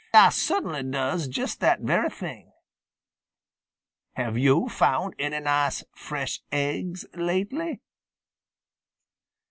Ah cert'nly does just that very thing. Have yo' found any nice fresh aiggs lately?"